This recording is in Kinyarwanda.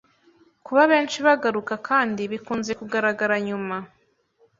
kuba benshi bagaruka kandi bikunze kugaragara nyuma